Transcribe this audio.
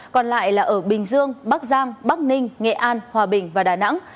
còn lại là ở bình dương bắc giang bắc ninh nghệ an hòa bình và đà nẵng